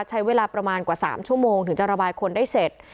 ใช้เวลาประมาณกว่า๓ชั่วโมงถึงจะระบายคนได้เสร็จ